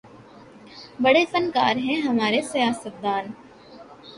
بڑے فنکار ہیں ہمارے سیاستدان